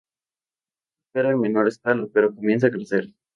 Ahora opera en menor escala pero comienza a crecer.